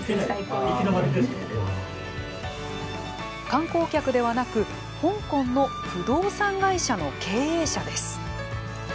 観光客ではなく香港の不動産会社の経営者です。